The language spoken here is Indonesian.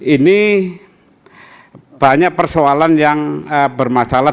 ini banyak persoalan yang bermasalah